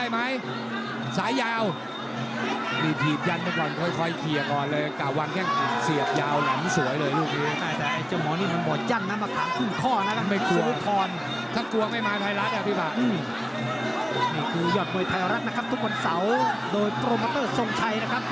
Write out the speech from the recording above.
มาที่ตรงนี้แล้วขอให้ทุกคนมีความสุขกับยอดมวยไพรักษ์นะครับ